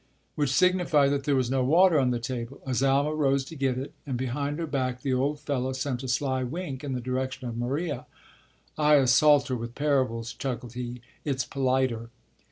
Which signified that there was no water on the table. Azalma rose to get it, and behind her back the old fellow sent a sly wink in the direction of Maria. "I assault her with parables," chuckled he. "It's politer."